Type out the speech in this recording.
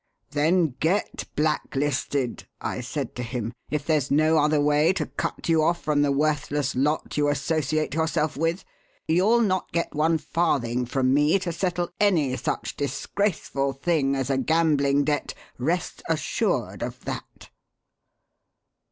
'Then get blacklisted!' I said to him, 'if there's no other way to cut you off from the worthless lot you associate yourself with. You'll not get one farthing from me to settle any such disgraceful thing as a gambling debt, rest assured of that!'